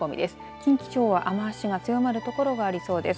近畿地方は雨足が強まる所がありそうです。